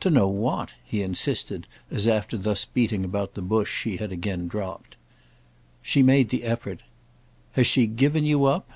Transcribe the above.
"To know what?" he insisted as after thus beating about the bush she had again dropped. She made the effort. "Has she given you up?"